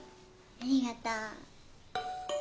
ありがとう。